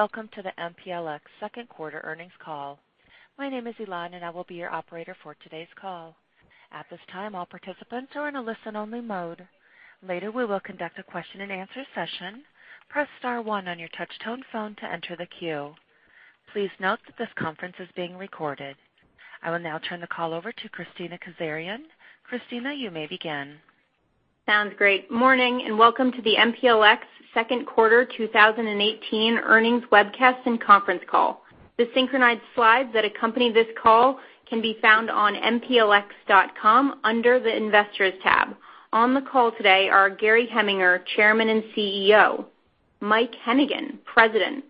Welcome to the MPLX second quarter earnings call. My name is Elan, and I will be your operator for today's call. At this time, all participants are in a listen-only mode. Later, we will conduct a question and answer session. Press star one on your touch-tone phone to enter the queue. Please note that this conference is being recorded. I will now turn the call over to Kristina Kazarian. Kristina, you may begin. Sounds great. Morning, welcome to the MPLX second quarter 2018 earnings webcast and conference call. The synchronized slides that accompany this call can be found on mplx.com under the Investors tab. On the call today are Gary Heminger, Chairman and CEO; Mike Hennigan, President;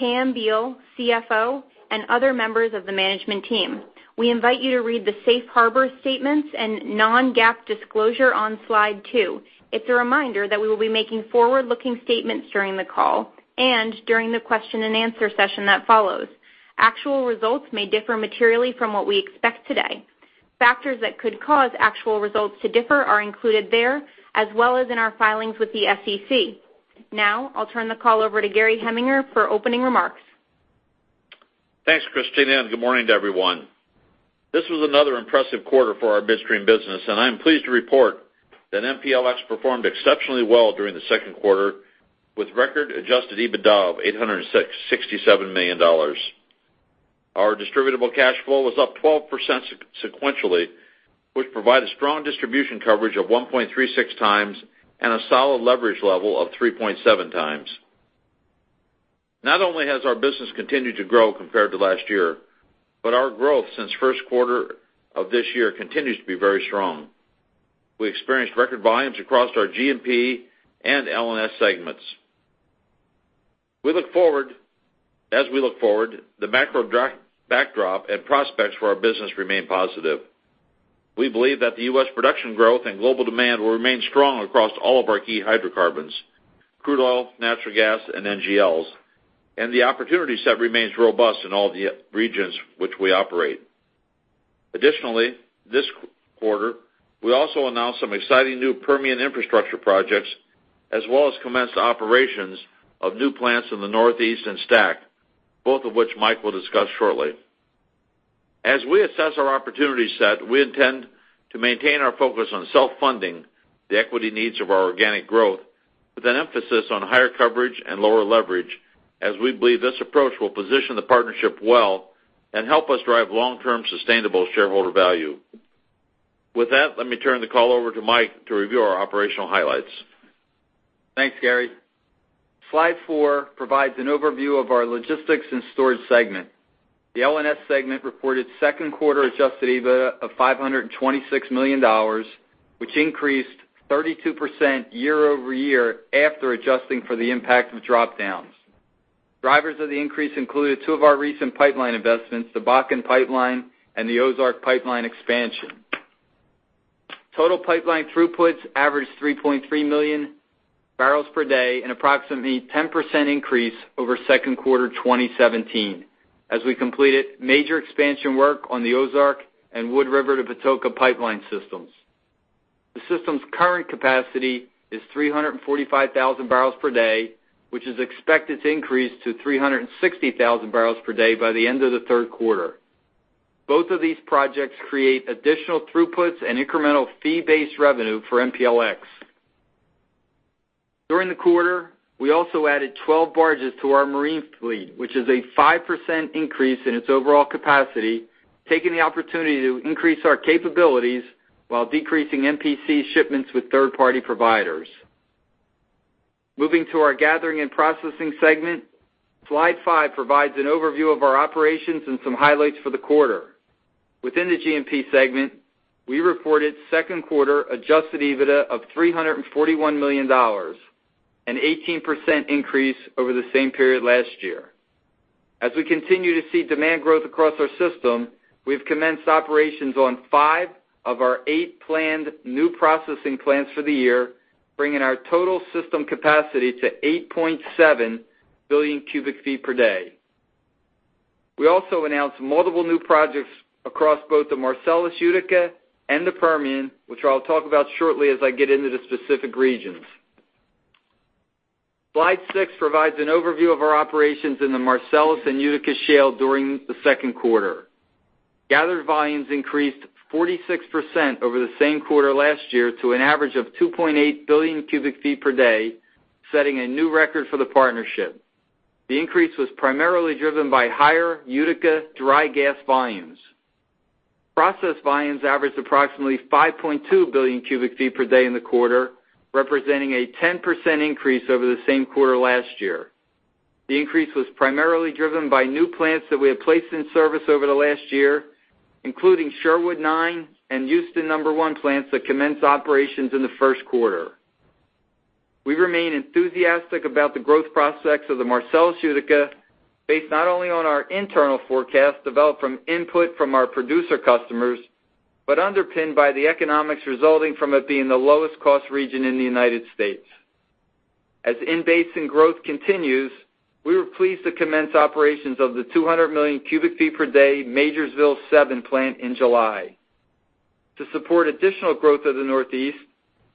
Pam Beall, CFO; and other members of the management team. We invite you to read the safe harbor statements and non-GAAP disclosure on Slide 2. It's a reminder that we will be making forward-looking statements during the call, and during the question and answer session that follows. Actual results may differ materially from what we expect today. Factors that could cause actual results to differ are included there, as well as in our filings with the SEC. I'll turn the call over to Gary Heminger for opening remarks. Thanks, Kristina, good morning to everyone. This was another impressive quarter for our midstream business, and I am pleased to report that MPLX performed exceptionally well during the second quarter with record adjusted EBITDA of $867 million. Our distributable cash flow was up 12% sequentially, which provided strong distribution coverage of 1.36 times and a solid leverage level of 3.7 times. Not only has our business continued to grow compared to last year, but our growth since first quarter of this year continues to be very strong. We experienced record volumes across our G&P and L&S segments. As we look forward, the macro backdrop and prospects for our business remain positive. We believe that the U.S. production growth and global demand will remain strong across all of our key hydrocarbons, crude oil, natural gas, and NGLs, and the opportunity set remains robust in all the regions which we operate. Additionally, this quarter, we also announced some exciting new Permian infrastructure projects, as well as commenced operations of new plants in the Northeast and STACK, both of which Mike will discuss shortly. As we assess our opportunity set, we intend to maintain our focus on self-funding the equity needs of our organic growth with an emphasis on higher coverage and lower leverage, as we believe this approach will position the partnership well and help us drive long-term sustainable shareholder value. With that, let me turn the call over to Mike to review our operational highlights. Thanks, Gary. Slide four provides an overview of our Logistics & Storage segment. The L&S segment reported second quarter adjusted EBITDA of $526 million, which increased 32% year-over-year after adjusting for the impact of drop-downs. Drivers of the increase included two of our recent pipeline investments, the Bakken Pipeline and the Ozark Pipeline expansion. Total pipeline throughputs averaged 3.3 million barrels per day, an approximately 10% increase over second quarter 2017, as we completed major expansion work on the Ozark and Wood River-to-Patoka pipeline systems. The system's current capacity is 345,000 barrels per day, which is expected to increase to 360,000 barrels per day by the end of the third quarter. Both of these projects create additional throughputs and incremental fee-based revenue for MPLX. During the quarter, we also added 12 barges to our marine fleet, which is a 5% increase in its overall capacity, taking the opportunity to increase our capabilities while decreasing MPC shipments with third-party providers. Moving to our Gathering & Processing segment, slide five provides an overview of our operations and some highlights for the quarter. Within the G&P segment, we reported second quarter adjusted EBITDA of $341 million, an 18% increase over the same period last year. As we continue to see demand growth across our system, we've commenced operations on five of our eight planned new processing plants for the year, bringing our total system capacity to 8.7 billion cubic feet per day. We also announced multiple new projects across both the Marcellus-Utica and the Permian, which I'll talk about shortly as I get into the specific regions. Slide six provides an overview of our operations in the Marcellus-Utica shale during the second quarter. Gathered volumes increased 46% over the same quarter last year to an average of 2.8 billion cubic feet per day, setting a new record for the partnership. The increase was primarily driven by higher Utica dry gas volumes. Process volumes averaged approximately 5.2 billion cubic feet per day in the quarter, representing a 10% increase over the same quarter last year. The increase was primarily driven by new plants that we have placed in service over the last year, including Sherwood 9 and Houston One plants that commenced operations in the first quarter. We remain enthusiastic about the growth prospects of the Marcellus-Utica, based not only on our internal forecast developed from input from our producer customers, but underpinned by the economics resulting from it being the lowest cost region in the U.S. As in-basin growth continues, we were pleased to commence operations of the 200 million cubic feet per day Majorsville Seven plant in July. To support additional growth of the Northeast,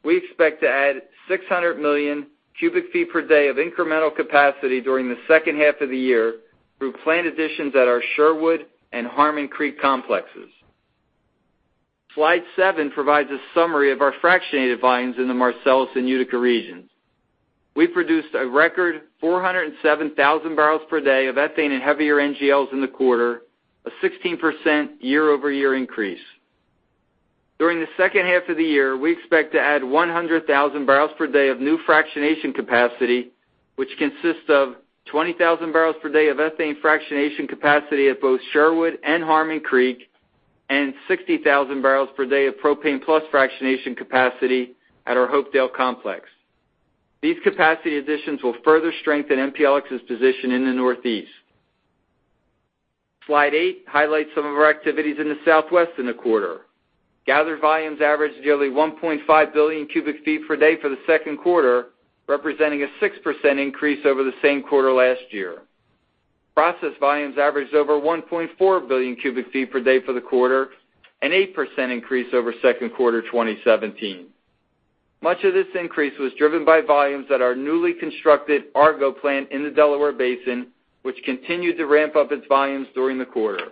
we expect to add 600 million cubic feet per day of incremental capacity during the second half of the year through planned additions at our Sherwood and Harmon Creek complexes. Slide seven provides a summary of our fractionated volumes in the Marcellus-Utica regions. We produced a record 407,000 barrels per day of ethane and heavier NGLs in the quarter, a 16% year-over-year increase. During the second half of the year, we expect to add 100,000 barrels per day of new fractionation capacity, which consists of 20,000 barrels per day of ethane fractionation capacity at both Sherwood and Harmon Creek, and 60,000 barrels per day of propane plus fractionation capacity at our Hopedale complex. These capacity additions will further strengthen MPLX's position in the Northeast. Slide eight highlights some of our activities in the Southwest in the quarter. Gathered volumes averaged nearly 1.5 billion cubic feet per day for the second quarter, representing a 6% increase over the same quarter last year. Process volumes averaged over 1.4 billion cubic feet per day for the quarter, an 8% increase over second quarter 2017. Much of this increase was driven by volumes at our newly constructed Argo plant in the Delaware Basin, which continued to ramp up its volumes during the quarter.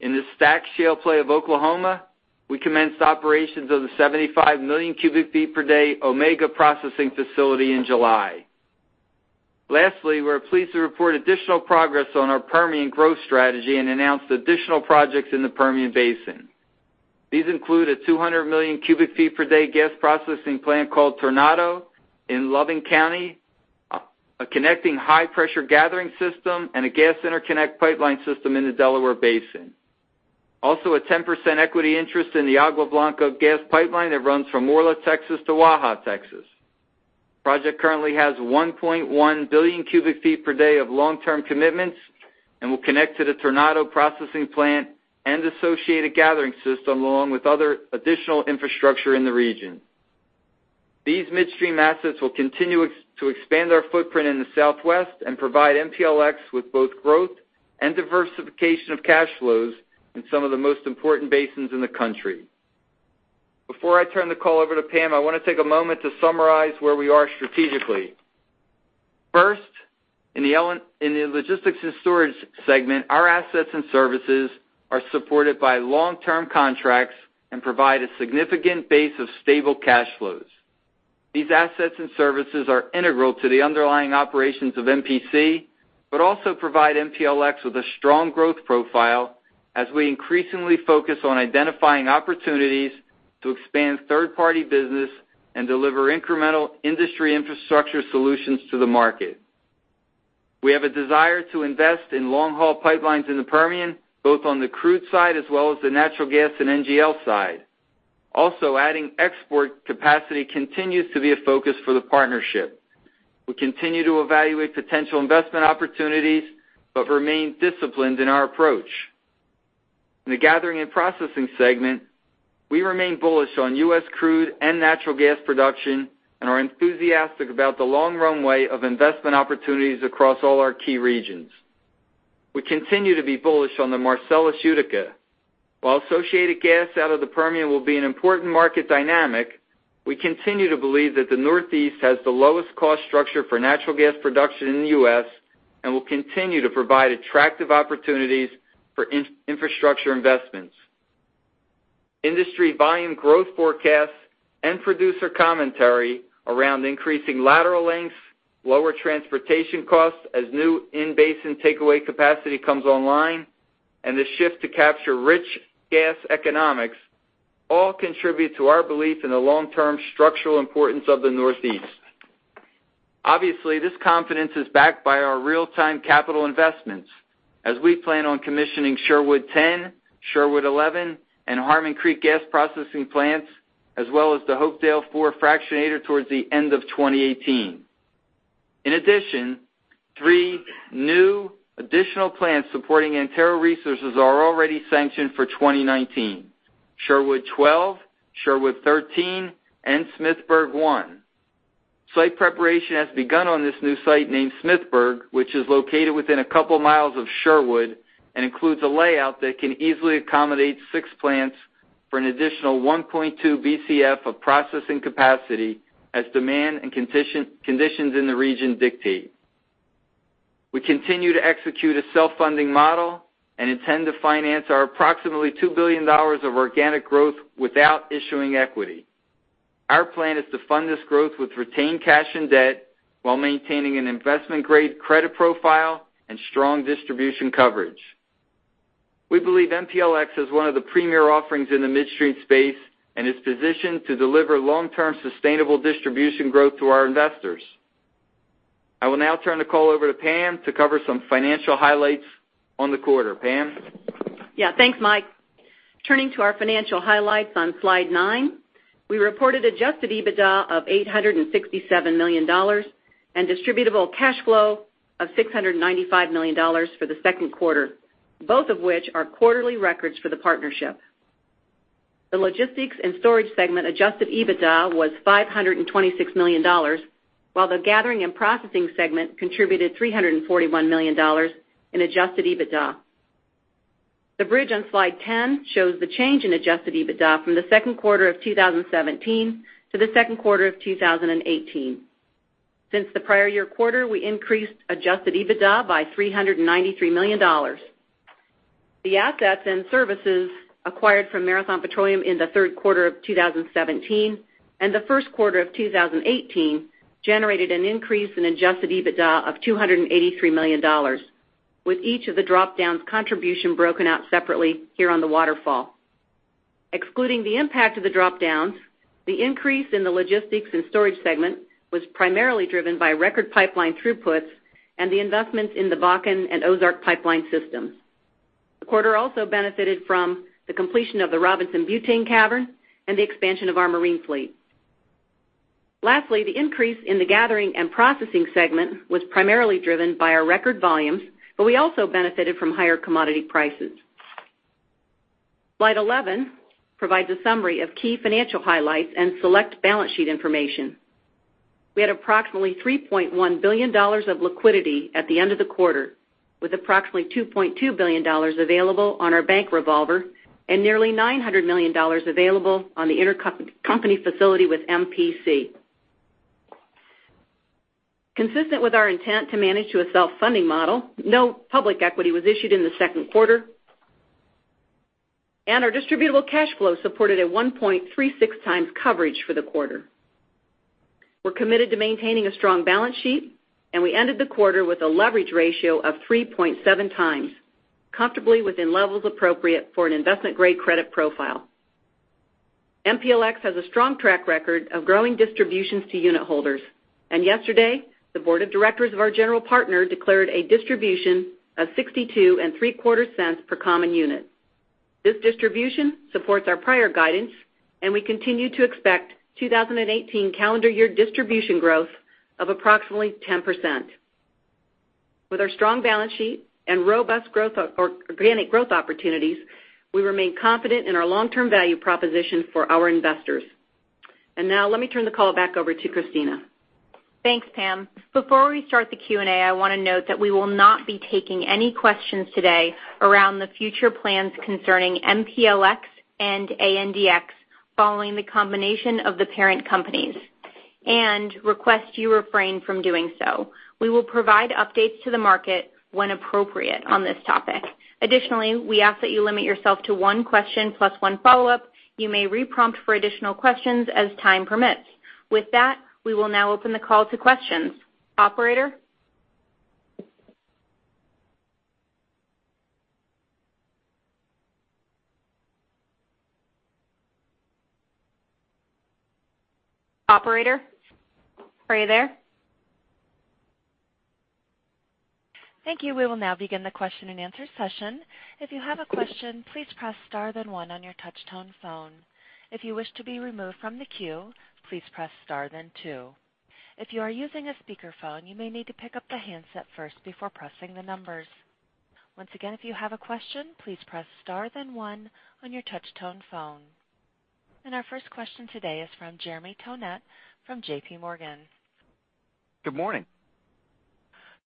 In the STACK Shale play of Oklahoma, we commenced operations of the 75 million cubic feet per day Omega processing facility in July. Lastly, we're pleased to report additional progress on our Permian growth strategy and announced additional projects in the Permian Basin. These include a 200 million cubic feet per day gas processing plant called Tornado in Loving County, a connecting high-pressure gathering system, and a gas interconnect pipeline system in the Delaware Basin. Also, a 10% equity interest in the Agua Blanca gas pipeline that runs from Orla, Texas, to Waha, Texas. Project currently has 1.1 billion cubic feet per day of long-term commitments and will connect to the Tornado processing plant and associated gathering system, along with other additional infrastructure in the region. These midstream assets will continue to expand our footprint in the Southwest and provide MPLX with both growth and diversification of cash flows in some of the most important basins in the country. Before I turn the call over to Pam, I want to take a moment to summarize where we are strategically. First, in the Logistics and Storage segment, our assets and services are supported by long-term contracts and provide a significant base of stable cash flows. These assets and services are integral to the underlying operations of MPC, but also provide MPLX with a strong growth profile as we increasingly focus on identifying opportunities to expand third-party business and deliver incremental industry infrastructure solutions to the market. We have a desire to invest in long-haul pipelines in the Permian, both on the crude side, as well as the natural gas and NGL side. Adding export capacity continues to be a focus for the partnership. We continue to evaluate potential investment opportunities but remain disciplined in our approach. In the Gathering and Processing segment, we remain bullish on U.S. crude and natural gas production and are enthusiastic about the long runway of investment opportunities across all our key regions. We continue to be bullish on the Marcellus Utica. While associated gas out of the Permian will be an important market dynamic, we continue to believe that the Northeast has the lowest cost structure for natural gas production in the U.S. and will continue to provide attractive opportunities for infrastructure investments. Industry volume growth forecasts and producer commentary around increasing lateral lengths, lower transportation costs as new in-basin takeaway capacity comes online, and the shift to capture rich gas economics all contribute to our belief in the long-term structural importance of the Northeast. Obviously, this confidence is backed by our real-time capital investments as we plan on commissioning Sherwood 10, Sherwood 11, and Harmon Creek gas processing plants, as well as the Hopedale IV fractionator towards the end of 2018. In addition, three new additional plants supporting Antero Resources are already sanctioned for 2019: Sherwood 12, Sherwood 13, and Smithburg 1. Site preparation has begun on this new site named Smithburg, which is located within a couple miles of Sherwood and includes a layout that can easily accommodate six plants for an additional 1.2 Bcf of processing capacity as demand and conditions in the region dictate. We continue to execute a self-funding model and intend to finance our approximately $2 billion of organic growth without issuing equity. Our plan is to fund this growth with retained cash and debt while maintaining an investment-grade credit profile and strong distribution coverage. Yeah. Thanks, Mike. We believe MPLX is one of the premier offerings in the midstream space and is positioned to deliver long-term sustainable distribution growth to our investors. I will now turn the call over to Pam to cover some financial highlights on the quarter. Pam? Thanks, Mike. Turning to our financial highlights on slide nine, we reported adjusted EBITDA of $867 million and distributable cash flow of $695 million for the second quarter, both of which are quarterly records for the partnership. The Logistics & Storage segment adjusted EBITDA was $526 million while the Gathering & Processing segment contributed $341 million in adjusted EBITDA. The bridge on slide 10 shows the change in adjusted EBITDA from the second quarter of 2017 to the second quarter of 2018. Since the prior year quarter, we increased adjusted EBITDA by $393 million. The assets and services acquired from Marathon Petroleum in the third quarter of 2017 and the first quarter of 2018 generated an increase in adjusted EBITDA of $283 million, with each of the drop-downs' contribution broken out separately here on the waterfall. Excluding the impact of the drop-downs, the increase in the Logistics & Storage segment was primarily driven by record pipeline throughputs and the investments in the Bakken Pipeline and Ozark Pipeline systems. The quarter also benefited from the completion of the Robinson Butane Cavern and the expansion of our marine fleet. Lastly, the increase in the Gathering & Processing segment was primarily driven by our record volumes, but we also benefited from higher commodity prices. Slide 11 provides a summary of key financial highlights and select balance sheet information. We had approximately $3.1 billion of liquidity at the end of the quarter, with approximately $2.2 billion available on our bank revolver and nearly $900 million available on the intercompany facility with MPC. Consistent with our intent to manage to a self-funding model, no public equity was issued in the second quarter, and our distributable cash flow supported a 1.36 times coverage for the quarter. We're committed to maintaining a strong balance sheet, and we ended the quarter with a leverage ratio of 3.7 times, comfortably within levels appropriate for an investment-grade credit profile. MPLX has a strong track record of growing distributions to unitholders. Yesterday, the board of directors of our general partner declared a distribution of $0.6275 per common unit. This distribution supports our prior guidance, and we continue to expect 2018 calendar year distribution growth of approximately 10%. With our strong balance sheet and robust organic growth opportunities, we remain confident in our long-term value proposition for our investors. Now let me turn the call back over to Kristina. Thanks, Pam. Before we start the Q&A, I want to note that we will not be taking any questions today around the future plans concerning MPLX and ANDX following the combination of the parent companies, and request you refrain from doing so. We will provide updates to the market when appropriate on this topic. Additionally, we ask that you limit yourself to one question plus one follow-up. You may re-prompt for additional questions as time permits. With that, we will now open the call to questions. Operator? Operator? Are you there? Thank you. We will now begin the question and answer session. If you have a question, please press star then one on your touch-tone phone. If you wish to be removed from the queue, please press star then two. If you are using a speakerphone, you may need to pick up the handset first before pressing the numbers. Once again, if you have a question, please press star then one on your touch-tone phone. Our first question today is from Jeremy Tonet from J.P. Morgan. Good morning.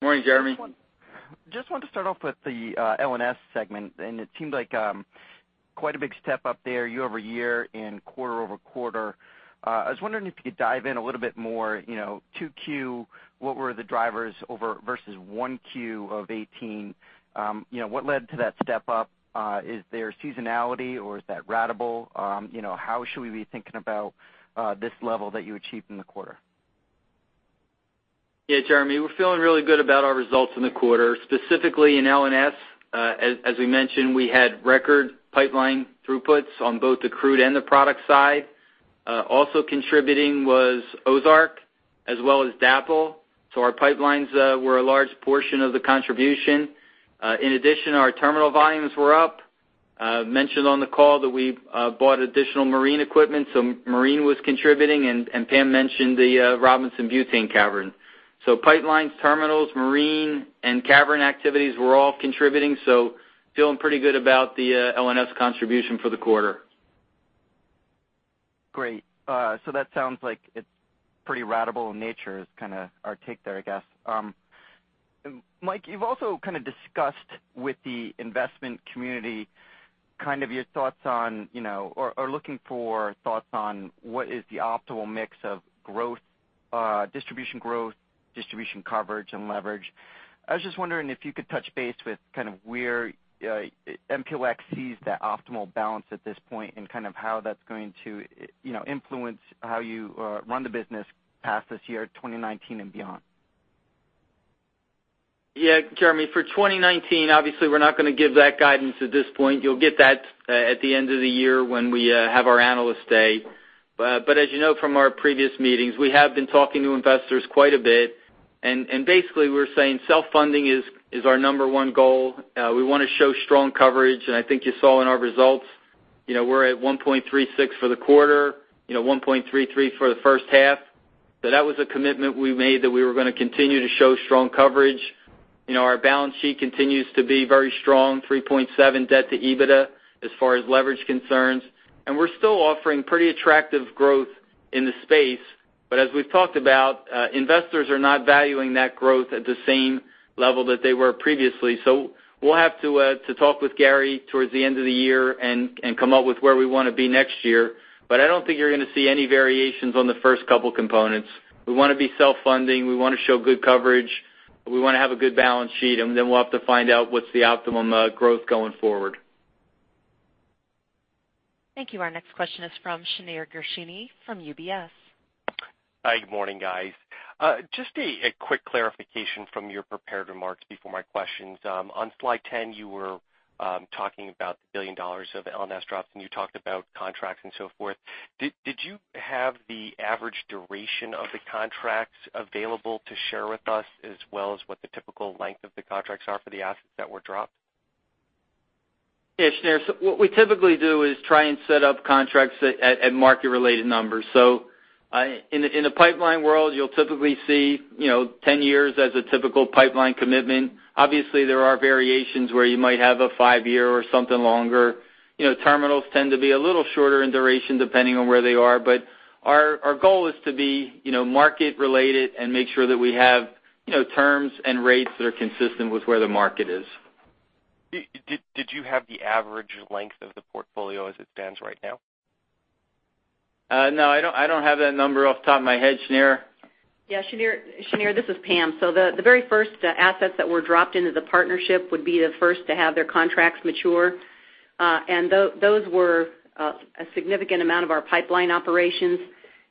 Morning, Jeremy. It seemed like quite a big step up there year-over-year and quarter-over-quarter. I was wondering if you could dive in a little bit more, 2Q, what were the drivers over versus 1Q of 2018? What led to that step-up? Is there seasonality or is that ratable? How should we be thinking about this level that you achieved in the quarter? Yeah, Jeremy, we're feeling really good about our results in the quarter, specifically in L&S. As we mentioned, we had record pipeline throughputs on both the crude and the product side. Also contributing was Ozark as well as DAPL. Our pipelines were a large portion of the contribution. In addition, our terminal volumes were up. Mentioned on the call that we bought additional marine equipment, marine was contributing, and Pam mentioned the Robinson Butane Cavern. Pipelines, terminals, marine, and cavern activities were all contributing. Feeling pretty good about the L&S contribution for the quarter. Great. That sounds like it's pretty ratable in nature is kind of our take there, I guess. Mike, you've also kind of discussed with the investment community kind of your thoughts on, or looking for thoughts on what is the optimal mix of distribution growth, distribution coverage, and leverage. I was just wondering if you could touch base with kind of where MPLX sees that optimal balance at this point and kind of how that's going to influence how you run the business past this year, 2019 and beyond. Yeah. Jeremy, for 2019, obviously, we're not going to give that guidance at this point. You'll get that at the end of the year when we have our Analyst Day. As you know from our previous meetings, we have been talking to investors quite a bit, and basically, we're saying self-funding is our number one goal. We want to show strong coverage, and I think you saw in our results, we're at 1.36 for the quarter, 1.33 for the first half. That was a commitment we made that we were going to continue to show strong coverage. Our balance sheet continues to be very strong, 3.7 debt to EBITDA as far as leverage concerns, and we're still offering pretty attractive growth in the space. As we've talked about, investors are not valuing that growth at the same level that they were previously. We'll have to talk with Gary towards the end of the year and come up with where we want to be next year. I don't think you're going to see any variations on the first couple components. We want to be self-funding. We want to show good coverage. We want to have a good balance sheet, and we'll have to find out what's the optimum growth going forward. Thank you. Our next question is from Shneur Gershuni from UBS. Hi, good morning, guys. Just a quick clarification from your prepared remarks before my questions. On slide 10, you were talking about the $1 billion of the L&S drops, and you talked about contracts and so forth. Did you have the average duration of the contracts available to share with us, as well as what the typical length of the contracts are for the assets that were dropped? Yeah, Shneur. What we typically do is try and set up contracts at market-related numbers. In the pipeline world, you'll typically see 10 years as a typical pipeline commitment. Obviously, there are variations where you might have a five-year or something longer. Terminals tend to be a little shorter in duration depending on where they are. Our goal is to be market related and make sure that we have terms and rates that are consistent with where the market is. Did you have the average length of the portfolio as it stands right now? I don't have that number off the top of my head, Shneur. Yeah, Shneur, this is Pam Beall. The very first assets that were dropped into the partnership would be the first to have their contracts mature. Those were a significant amount of our pipeline operations,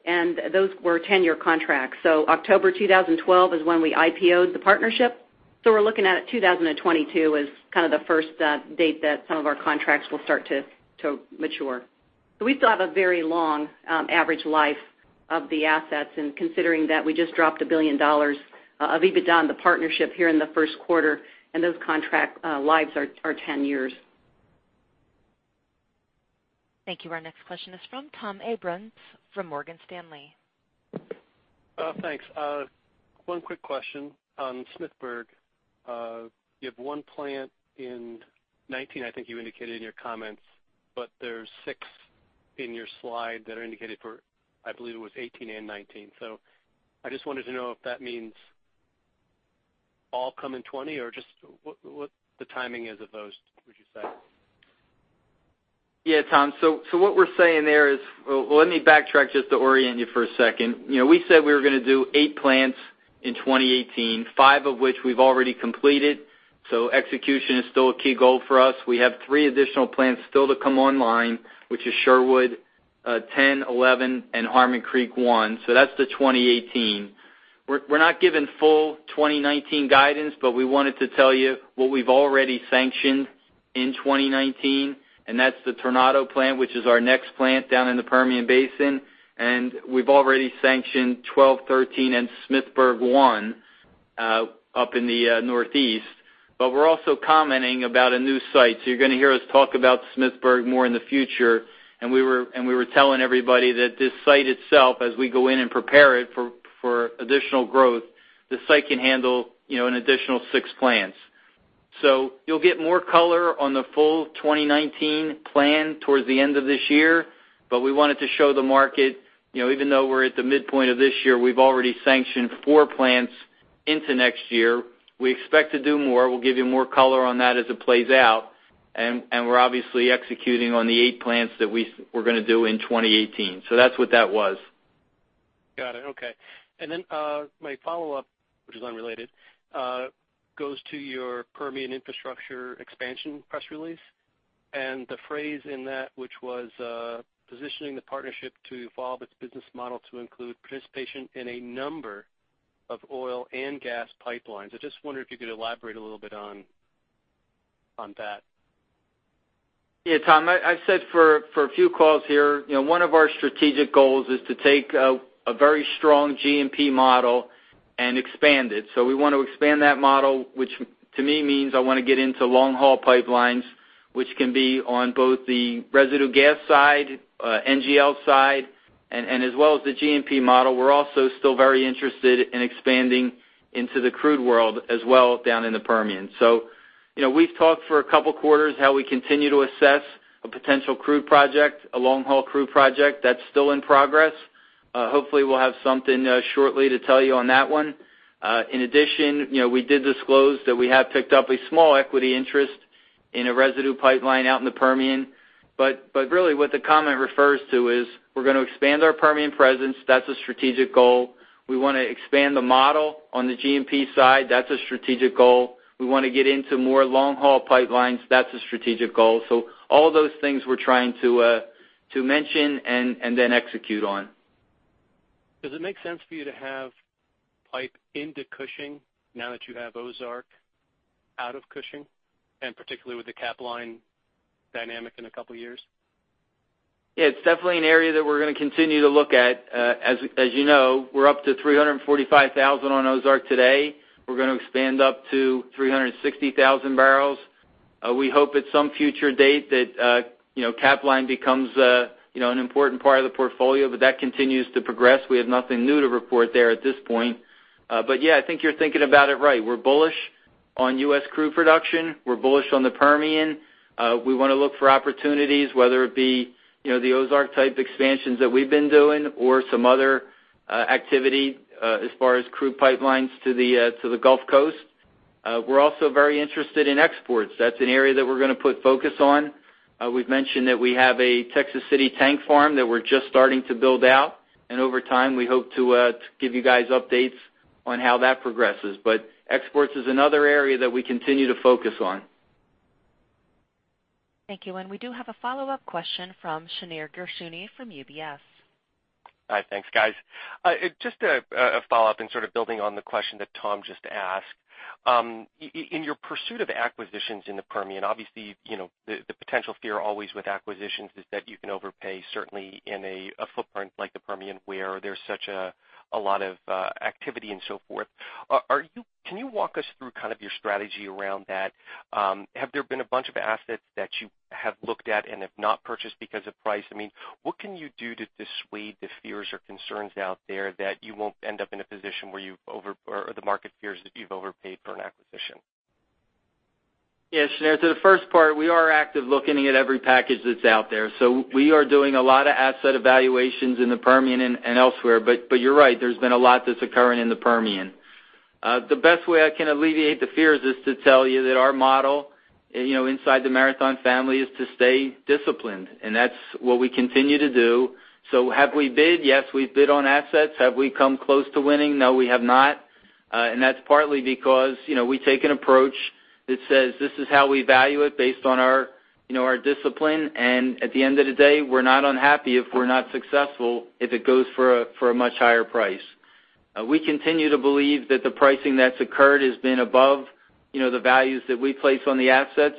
and those were 10-year contracts. October 2012 is when we IPO'd the partnership. We're looking at 2022 as kind of the first date that some of our contracts will start to mature. We still have a very long average life of the assets, and considering that we just dropped $1 billion of EBITDA in the partnership here in the first quarter, and those contract lives are 10 years. Thank you. Our next question is from Tom Abrams from Morgan Stanley. Thanks. One quick question. On Smithsburg, you have one plant in 2019, I think you indicated in your comments, but there's six in your slide that are indicated for, I believe it was 2018 and 2019. I just wanted to know if that means all come in 2020 or just what the timing is of those, would you say? Yeah, Tom. What we're saying there, well, let me backtrack just to orient you for a second. We said we were going to do eight plants in 2018, five of which we've already completed. Execution is still a key goal for us. We have three additional plants still to come online, which is Sherwood 10, Sherwood 11, and Harmon Creek 1. That's the 2018. We're not giving full 2019 guidance, but we wanted to tell you what we've already sanctioned in 2019, and that's the Tornado plant, which is our next plant down in the Permian Basin. We've already sanctioned Sherwood 12, Sherwood 13, and Smithburg 1 up in the Northeast. We're also commenting about a new site. You're going to hear us talk about Smithsburg more in the future, and we were telling everybody that this site itself, as we go in and prepare it for additional growth, the site can handle an additional six plants. You'll get more color on the full 2019 plan towards the end of this year, but we wanted to show the market, even though we're at the midpoint of this year, we've already sanctioned four plants into next year. We expect to do more. We'll give you more color on that as it plays out. We're obviously executing on the eight plants that we were going to do in 2018. That's what that was. Got it. Okay. My follow-up, which is unrelated, goes to your Permian infrastructure expansion press release and the phrase in that which was positioning the partnership to evolve its business model to include participation in a number of oil and gas pipelines. I just wonder if you could elaborate a little bit on that. Yeah, Tom. I've said for a few calls here, one of our strategic goals is to take a very strong G&P model and expand it. We want to expand that model, which to me means I want to get into long-haul pipelines, which can be on both the residue gas side, NGL side, and as well as the G&P model. We're also still very interested in expanding into the crude world as well down in the Permian. We've talked for a couple quarters how we continue to assess a potential crude project, a long-haul crude project. That's still in progress. Hopefully, we'll have something shortly to tell you on that one. In addition, we did disclose that we have picked up a small equity interest in a residue pipeline out in the Permian. Really what the comment refers to is we're going to expand our Permian presence. That's a strategic goal. We want to expand the model on the G&P side. That's a strategic goal. We want to get into more long-haul pipelines. That's a strategic goal. All those things we're trying to mention and then execute on. Does it make sense for you to have pipe into Cushing now that you have Ozark out of Cushing, and particularly with the Capline dynamic in a couple of years? It's definitely an area that we're going to continue to look at. As you know, we're up to 345,000 on Ozark today. We're going to expand up to 360,000 barrels. We hope at some future date that Capline becomes an important part of the portfolio. That continues to progress. We have nothing new to report there at this point. I think you're thinking about it right. We're bullish on U.S. crude production. We're bullish on the Permian. We want to look for opportunities, whether it be the Ozark-type expansions that we've been doing or some other activity as far as crude pipelines to the Gulf Coast. We're also very interested in exports. That's an area that we're going to put focus on. We've mentioned that we have a Texas City tank farm that we're just starting to build out. Over time, we hope to give you guys updates on how that progresses. Exports is another area that we continue to focus on. Thank you. We do have a follow-up question from Shneur Gershuni from UBS. Hi, thanks guys. A follow-up and sort of building on the question that Tom just asked. In your pursuit of acquisitions in the Permian, obviously, the potential fear always with acquisitions is that you can overpay, certainly in a footprint like the Permian, where there's such a lot of activity and so forth. Can you walk us through kind of your strategy around that? Have there been a bunch of assets that you have looked at and have not purchased because of price? I mean, what can you do to dissuade the fears or concerns out there that you won't end up in a position where the market fears that you've overpaid for an acquisition? Yeah, Shneur. To the first part, we are active looking at every package that's out there. We are doing a lot of asset evaluations in the Permian and elsewhere, but you're right, there's been a lot that's occurring in the Permian. The best way I can alleviate the fears is to tell you that our model inside the Marathon family is to stay disciplined, and that's what we continue to do. Have we bid? Yes, we've bid on assets. Have we come close to winning? No, we have not. That's partly because we take an approach that says this is how we value it based on our discipline. At the end of the day, we're not unhappy if we're not successful if it goes for a much higher price. We continue to believe that the pricing that's occurred has been above the values that we place on the assets.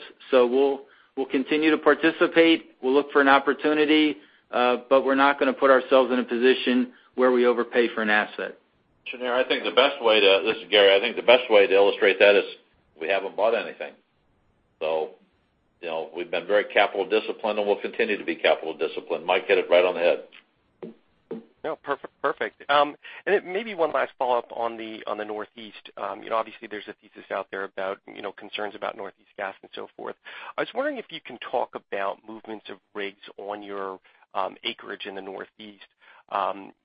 We'll continue to participate. We'll look for an opportunity, but we're not going to put ourselves in a position where we overpay for an asset. Shneur, this is Gary. I think the best way to illustrate that is we haven't bought anything. We've been very capital disciplined, and we'll continue to be capital disciplined. Mike hit it right on the head. No, perfect. Then maybe one last follow-up on the Northeast. Obviously, there's a thesis out there about concerns about Northeast gas and so forth. I was wondering if you can talk about movements of rigs on your acreage in the Northeast.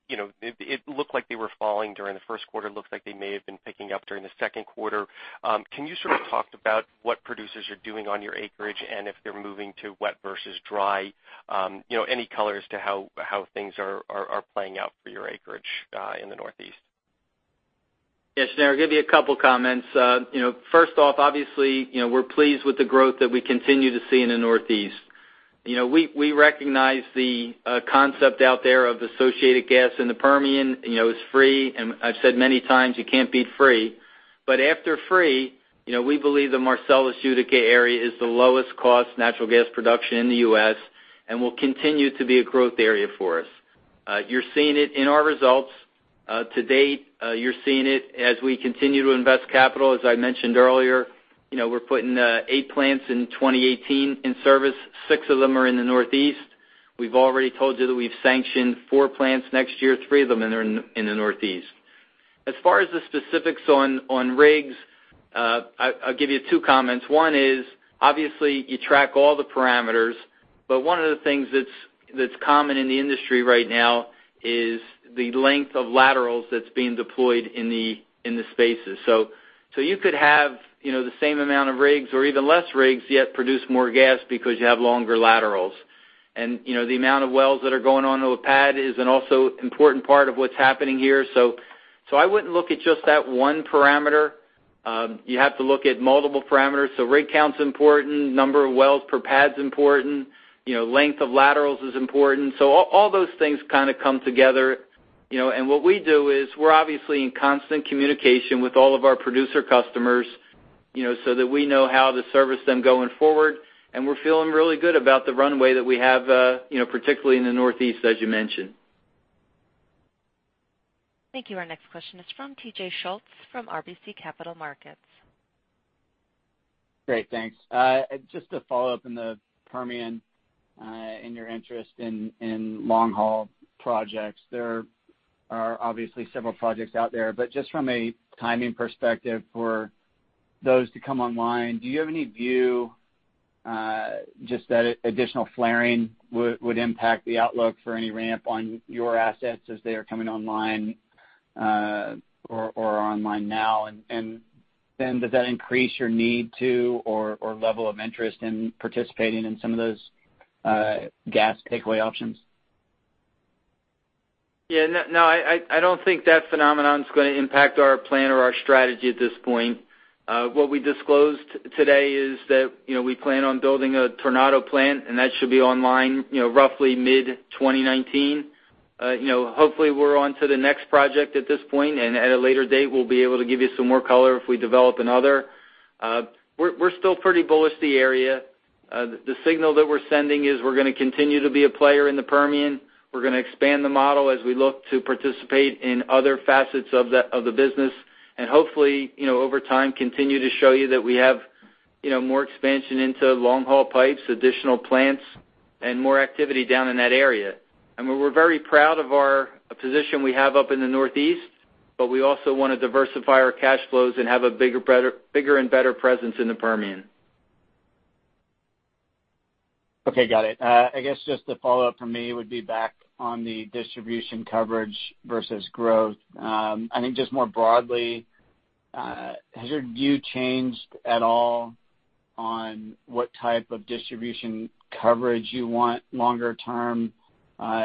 It looked like they were falling during the first quarter, looks like they may have been picking up during the second quarter. Can you sort of talk about what producers are doing on your acreage and if they're moving to wet versus dry? Any color as to how things are playing out for your acreage in the Northeast? Shneur, I'll give you a couple of comments. First off, obviously, we're pleased with the growth that we continue to see in the Northeast. We recognize the concept out there of associated gas in the Permian is free, and I've said many times you can't beat free. After free, we believe the Marcellus Utica area is the lowest cost natural gas production in the U.S. and will continue to be a growth area for us. You're seeing it in our results to date. You're seeing it as we continue to invest capital. As I mentioned earlier, we're putting 8 plants in 2018 in service. Six of them are in the Northeast. We've already told you that we've sanctioned four plants next year, three of them in the Northeast. As far as the specifics on rigs, I'll give you two comments. One is, obviously, you track all the parameters, one of the things that's common in the industry right now is the length of laterals that's being deployed in the spaces. You could have the same amount of rigs or even less rigs, yet produce more gas because you have longer laterals. The amount of wells that are going onto a pad is an also important part of what's happening here. I wouldn't look at just that one parameter. You have to look at multiple parameters. Rig count's important, number of wells per pad's important. Length of laterals is important. All those things kind of come together. What we do is we're obviously in constant communication with all of our producer customers so that we know how to service them going forward. We're feeling really good about the runway that we have, particularly in the Northeast, as you mentioned. Thank you. Our next question is from T.J. Schultz from RBC Capital Markets. Great. Thanks. Just to follow up in the Permian, in your interest in long-haul projects. There are obviously several projects out there, but just from a timing perspective for those to come online, do you have any view just that additional flaring would impact the outlook for any ramp on your assets as they are coming online or are online now? Does that increase your need to or level of interest in participating in some of those gas takeaway options? Yeah. No, I don't think that phenomenon is going to impact our plan or our strategy at this point. What we disclosed today is that we plan on building a Tornado plant, and that should be online roughly mid-2019. Hopefully, we're onto the next project at this point, and at a later date, we'll be able to give you some more color if we develop another. We're still pretty bullish the area. The signal that we're sending is we're going to continue to be a player in the Permian. We're going to expand the model as we look to participate in other facets of the business, and hopefully, over time, continue to show you that we have more expansion into long-haul pipes, additional plants, and more activity down in that area. We're very proud of our position we have up in the Northeast, but we also want to diversify our cash flows and have a bigger and better presence in the Permian. Okay. Got it. I guess just the follow-up from me would be back on the distribution coverage versus growth. I think just more broadly, has your view changed at all on what type of distribution coverage you want longer term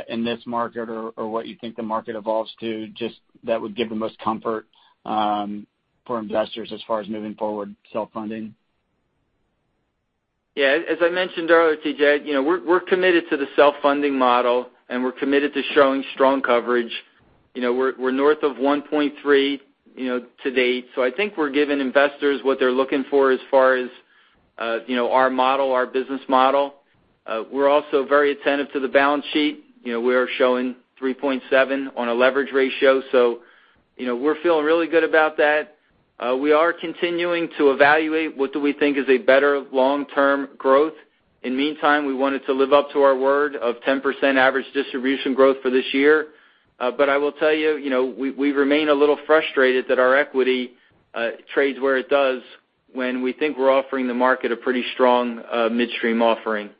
in this market or what you think the market evolves to, just that would give the most comfort for investors as far as moving forward self-funding? Yeah. As I mentioned earlier, T.J., we're committed to the self-funding model, and we're committed to showing strong coverage. We're north of 1.3 to date. I think we're giving investors what they're looking for as far as our business model. We're also very attentive to the balance sheet. We are showing 3.7 on a leverage ratio. We're feeling really good about that. We are continuing to evaluate what do we think is a better long-term growth. In meantime, we wanted to live up to our word of 10% average distribution growth for this year. I will tell you, we remain a little frustrated that our equity trades where it does when we think we're offering the market a pretty strong midstream offering.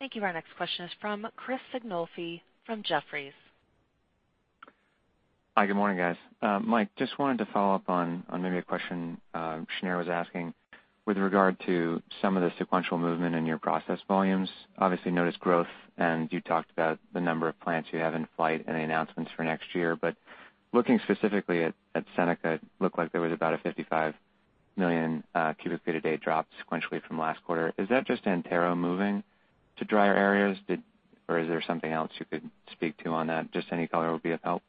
Thank you. Our next question is from Chris Sighinolfi from Jefferies. Hi, good morning, guys. Mike, just wanted to follow up on maybe a question Shneur was asking with regard to some of the sequential movement in your process volumes. Obviously noticed growth, and you talked about the number of plants you have in flight and the announcements for next year. Looking specifically at Seneca, looked like there was about a 55 million cubic feet a day drop sequentially from last quarter. Is that just Antero moving to drier areas? Or is there something else you could speak to on that? Just any color would be of help.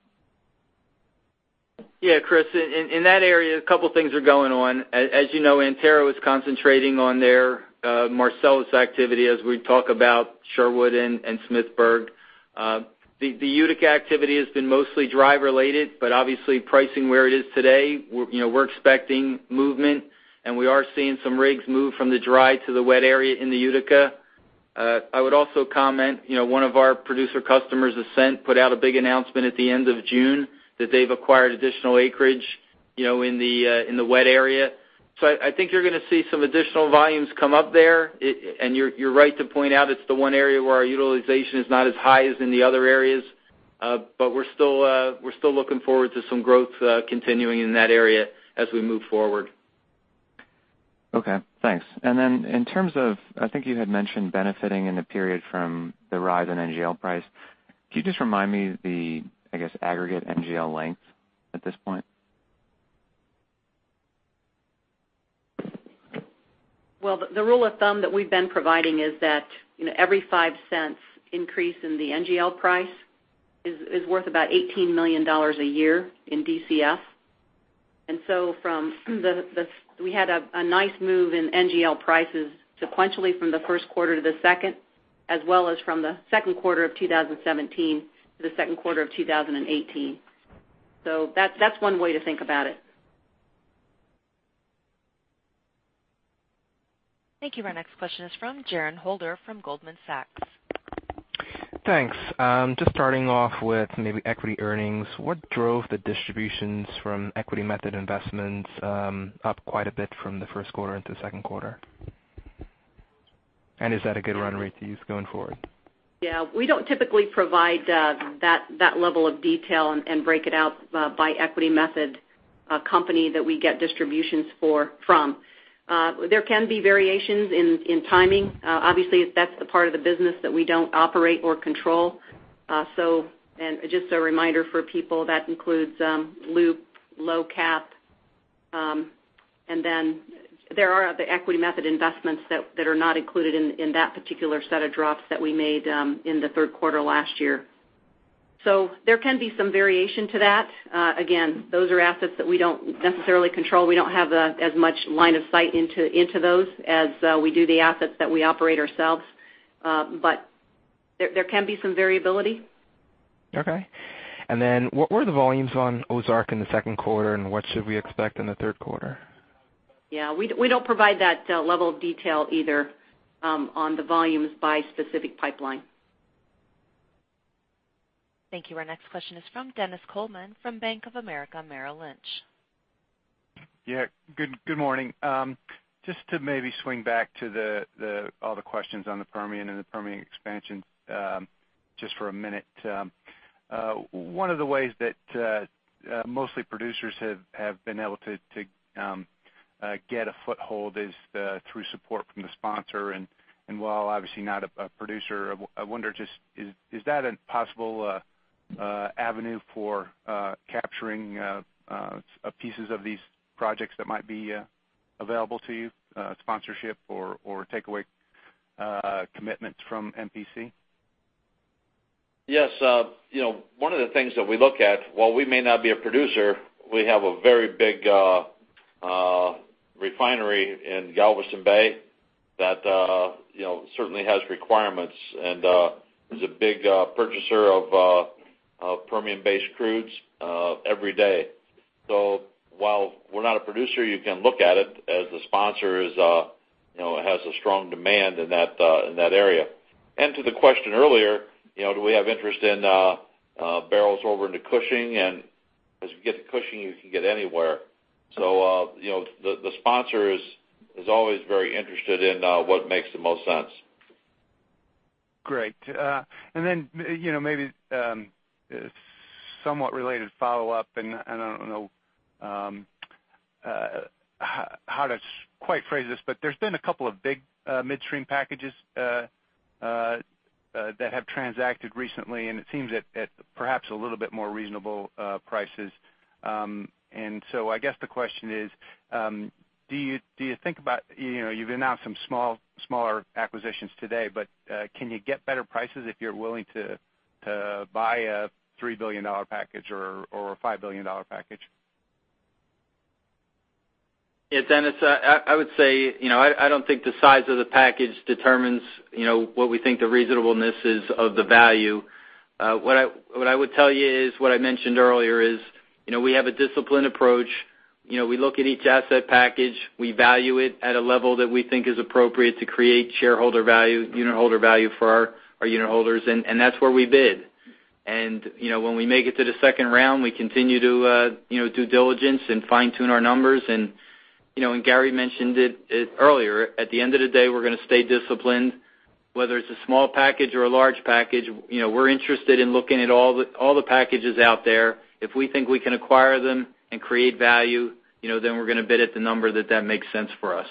Yeah, Chris, in that area, a couple of things are going on. As you know, Antero is concentrating on their Marcellus activity as we talk about Sherwood and Smithsburg. The Utica activity has been mostly dry related. Obviously pricing where it is today, we're expecting movement, and we are seeing some rigs move from the dry to the wet area in the Utica. I would also comment, one of our producer customers, Ascent, put out a big announcement at the end of June that they've acquired additional acreage in the wet area. I think you're going to see some additional volumes come up there, and you're right to point out it's the one area where our utilization is not as high as in the other areas. We're still looking forward to some growth continuing in that area as we move forward. Okay, thanks. In terms of, I think you had mentioned benefiting in the period from the rise in NGL price. Could you just remind me the, I guess, aggregate NGL length at this point? Well, the rule of thumb that we've been providing is that every $0.05 increase in the NGL price is worth about $18 million a year in DCF. We had a nice move in NGL prices sequentially from the first quarter to the second, as well as from the second quarter of 2017 to the second quarter of 2018. That's one way to think about it. Thank you. Our next question is from John Holder from Goldman Sachs. Thanks. Just starting off with maybe equity earnings. What drove the distributions from equity method investments up quite a bit from the first quarter into the second quarter? Is that a good run rate to use going forward? Yeah. We don't typically provide that level of detail and break it out by equity method company that we get distributions from. There can be variations in timing. Obviously, that's the part of the business that we don't operate or control. Just a reminder for people, that includes LOOP, LOCAP, and then there are other equity method investments that are not included in that particular set of drops that we made in the third quarter last year. So there can be some variation to that. Again, those are assets that we don't necessarily control. We don't have as much line of sight into those as we do the assets that we operate ourselves. But there can be some variability. Okay. Then what were the volumes on Ozark in the second quarter, and what should we expect in the third quarter? Yeah. We don't provide that level of detail either on the volumes by specific pipeline. Thank you. Our next question is from Dennis Coleman from Bank of America Merrill Lynch. Good morning. Just to maybe swing back to all the questions on the Permian and the Permian expansion just for a minute. One of the ways that mostly producers have been able to get a foothold is through support from the sponsor. While obviously not a producer, I wonder just is that a possible avenue for capturing pieces of these projects that might be available to you, sponsorship or takeaway commitments from MPC? Yes. One of the things that we look at, while we may not be a producer, we have a very big refinery in Galveston Bay that certainly has requirements and is a big purchaser of Permian-based crudes every day. While we're not a producer, you can look at it as the sponsor has a strong demand in that area. To the question earlier, do we have interest in barrels over into Cushing? As we get to Cushing, you can get anywhere. The sponsor is always very interested in what makes the most sense. Great. Then maybe somewhat related follow-up, and I don't know how to quite phrase this, but there's been a couple of big midstream packages that have transacted recently, and it seems at perhaps a little bit more reasonable prices. I guess the question is, you've announced some smaller acquisitions today, but can you get better prices if you're willing to buy a $3 billion package or a $5 billion package? Yes, Dennis. I would say, I don't think the size of the package determines what we think the reasonableness is of the value. What I would tell you is what I mentioned earlier is, we have a disciplined approach. We look at each asset package, we value it at a level that we think is appropriate to create shareholder value, unitholder value for our unitholders, and that's where we bid. When we make it to the second round, we continue to due diligence and fine-tune our numbers. Gary mentioned it earlier, at the end of the day, we're going to stay disciplined. Whether it's a small package or a large package, we're interested in looking at all the packages out there. If we think we can acquire them and create value, then we're going to bid at the number that that makes sense for us.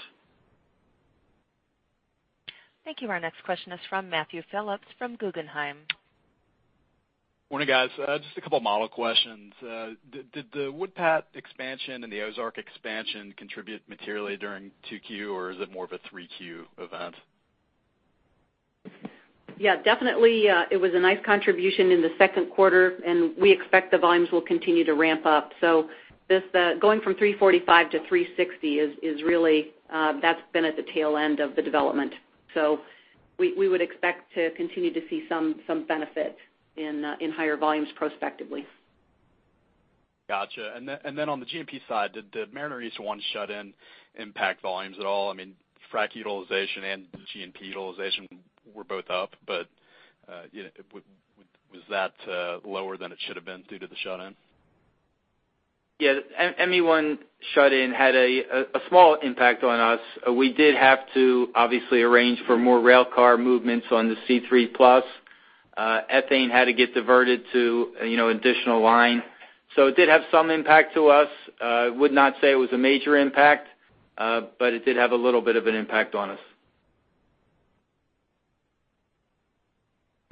Thank you. Our next question is from Matthew Phillips from Guggenheim. Morning, guys. Just a couple of model questions. Did the Wood River-to-Patoka expansion and the Ozark Pipeline expansion contribute materially during 2Q, or is it more of a 3Q event? Yeah, definitely. It was a nice contribution in the second quarter, and we expect the volumes will continue to ramp up. Going from 345-360, that's been at the tail end of the development. We would expect to continue to see some benefit in higher volumes prospectively. Got you. On the G&P side, did Mariner East 1 shut in impact volumes at all? Frac utilization and G&P utilization were both up, was that lower than it should have been due to the shut in? Yeah. ME 1 shut in had a small impact on us. We did have to obviously arrange for more rail car movements on the C3+. Ethane had to get diverted to additional line. It did have some impact to us. I would not say it was a major impact, but it did have a little bit of an impact on us.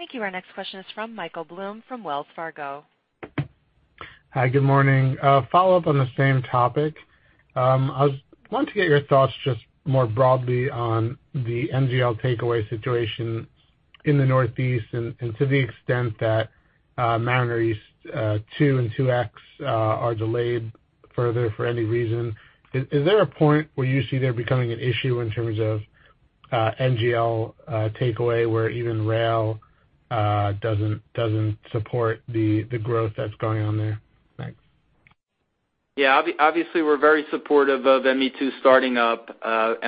Thank you. Our next question is from Michael Blum from Wells Fargo. Hi, good morning. A follow-up on the same topic. I want to get your thoughts just more broadly on the NGL takeaway situation in the Northeast, and to the extent that Mariner East 2 and 2X are delayed further for any reason. Is there a point where you see there becoming an issue in terms of NGL takeaway where even rail doesn't support the growth that's going on there? Thanks. Yeah. Obviously, we're very supportive of ME 2 starting up.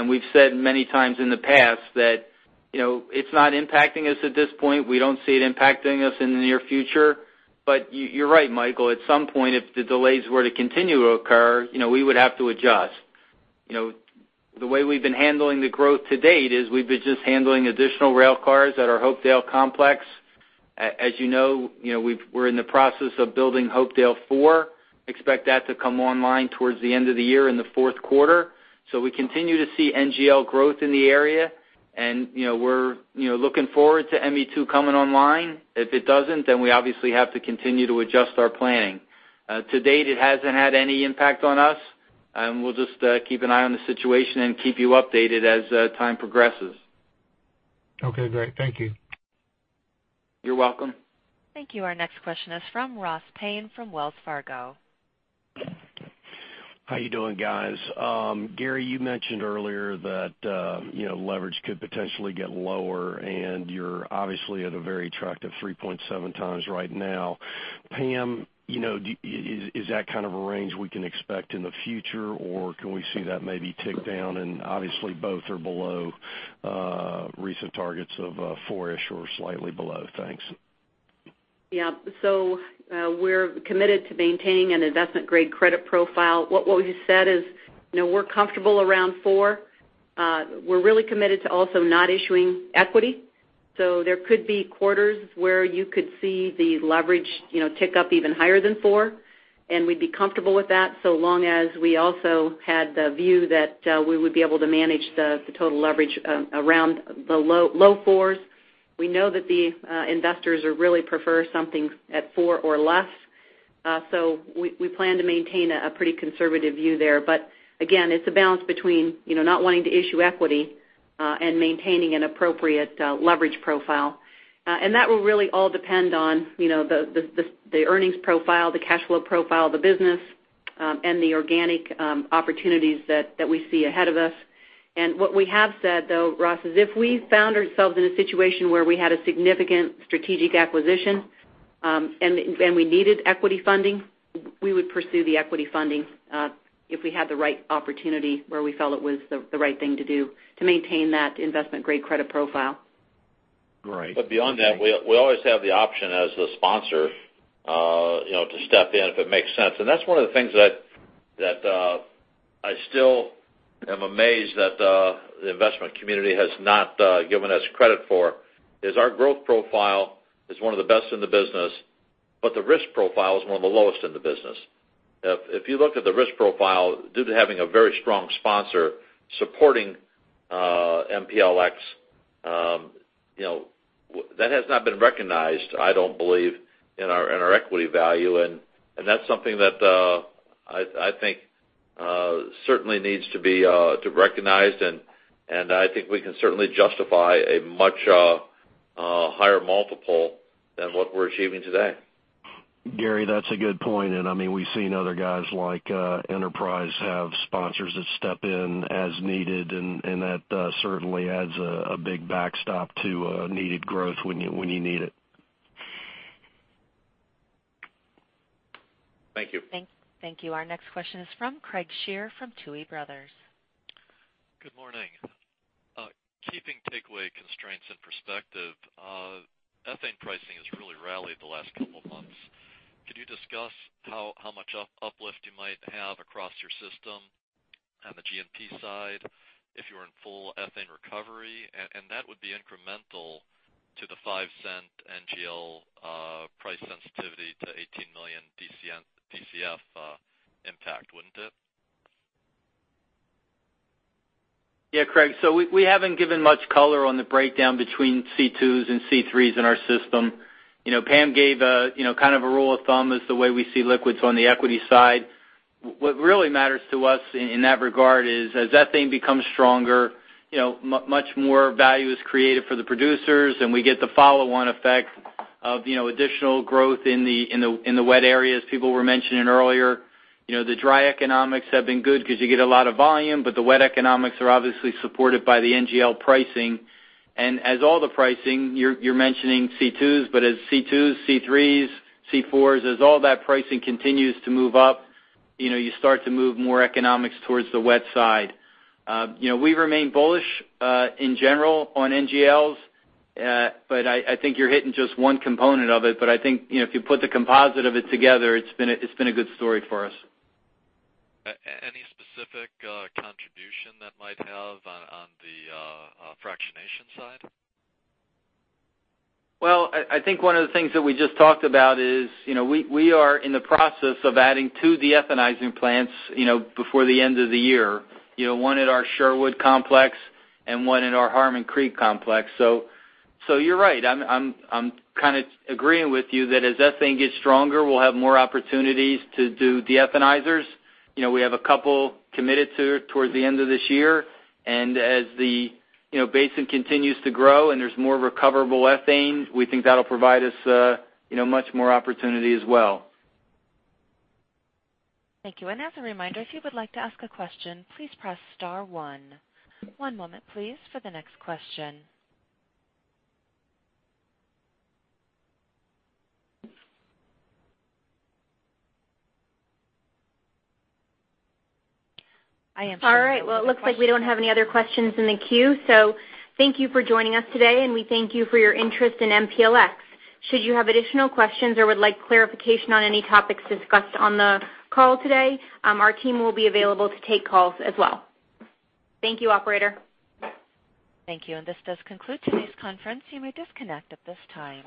We've said many times in the past that it's not impacting us at this point. We don't see it impacting us in the near future. You're right, Michael. At some point, if the delays were to continue to occur, we would have to adjust. The way we've been handling the growth to date is we've been just handling additional rail cars at our Hopedale complex. As you know, we're in the process of building Hopedale IV. Expect that to come online towards the end of the year in the fourth quarter. We continue to see NGL growth in the area, and we're looking forward to ME 2 coming online. If it doesn't, we obviously have to continue to adjust our planning. To date, it hasn't had any impact on us. We'll just keep an eye on the situation and keep you updated as time progresses. Okay, great. Thank you. You're welcome. Thank you. Our next question is from Ross Payne from Wells Fargo. How are you doing, guys? Gary, you mentioned earlier that leverage could potentially get lower, and you're obviously at a very attractive 3.7x right now. Pam, is that kind of a range we can expect in the future, or can we see that maybe tick down and obviously both are below recent targets of four-ish or slightly below? Thanks. Yeah. We're committed to maintaining an investment-grade credit profile. What we've said is, we're comfortable around four. We're really committed to also not issuing equity. There could be quarters where you could see the leverage tick up even higher than four, and we'd be comfortable with that so long as we also had the view that we would be able to manage the total leverage around the low fours. We know that the investors really prefer something at four or less. We plan to maintain a pretty conservative view there. Again, it's a balance between not wanting to issue equity and maintaining an appropriate leverage profile. That will really all depend on the earnings profile, the cash flow profile of the business, and the organic opportunities that we see ahead of us. What we have said, though, Ross, is if we found ourselves in a situation where we had a significant strategic acquisition and we needed equity funding, we would pursue the equity funding if we had the right opportunity where we felt it was the right thing to do to maintain that investment-grade credit profile. Right. Beyond that, we always have the option as the sponsor to step in if it makes sense. That's one of the things that I still am amazed that the investment community has not given us credit for, is our growth profile is one of the best in the business, but the risk profile is one of the lowest in the business. If you look at the risk profile, due to having a very strong sponsor supporting MPLX, that has not been recognized, I don't believe, in our equity value, and that's something that I think certainly needs to be recognized, and I think we can certainly justify a much higher multiple than what we're achieving today. Gary, that's a good point. We've seen other guys like Enterprise have sponsors that step in as needed, and that certainly adds a big backstop to needed growth when you need it. Thank you. Thank you. Our next question is from Craig Shere from Tuohy Brothers. Good morning. Keeping takeaway constraints in perspective, ethane pricing has really rallied the last couple of months. Could you discuss how much uplift you might have across your system on the G&P side if you were in full ethane recovery? That would be incremental to the $0.05 NGL price sensitivity to $18 million DCF impact, wouldn't it? Craig, We haven't given much color on the breakdown between C2s and C3s in our system. Pam gave kind of a rule of thumb as the way we see liquids on the equity side. What really matters to us in that regard is, as ethane becomes stronger, much more value is created for the producers, and we get the follow-on effect of additional growth in the wet areas people were mentioning earlier. The dry economics have been good because you get a lot of volume, but the wet economics are obviously supported by the NGL pricing. As all the pricing, you're mentioning C2s, but as C2s, C3s, C4s, as all that pricing continues to move up, you start to move more economics towards the wet side. We remain bullish in general on NGLs, I think you're hitting just one component of it. I think if you put the composite of it together, it's been a good story for us. Any specific contribution that might have on the fractionation side? I think one of the things that we just talked about is we are in the process of adding two de-ethanizing plants before the end of the year. One at our Sherwood Complex and one in our Harmon Creek Complex. You're right. I'm kind of agreeing with you that as ethane gets stronger, we'll have more opportunities to do de-ethanizers. We have a couple committed towards the end of this year, as the basin continues to grow and there's more recoverable ethane, we think that'll provide us much more opportunity as well. Thank you. As a reminder, if you would like to ask a question, please press star one. One moment, please, for the next question. I am showing no further questions. All right. Well, it looks like we don't have any other questions in the queue. Thank you for joining us today, we thank you for your interest in MPLX. Should you have additional questions or would like clarification on any topics discussed on the call today, our team will be available to take calls as well. Thank you, operator. Thank you. This does conclude today's conference. You may disconnect at this time.